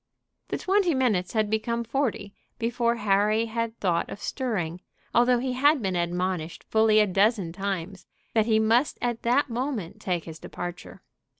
The twenty minutes had become forty before Harry had thought of stirring, although he had been admonished fully a dozen times that he must at that moment take his departure.